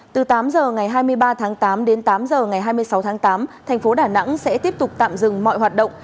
từ tám h ngày hai mươi ba tháng tám đến tám h ngày hai mươi sáu tháng tám thành phố đà nẵng sẽ tiếp tục tạm dừng mọi hoạt động